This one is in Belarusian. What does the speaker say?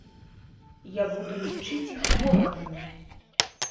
Я буду лічыць іх ворагамі.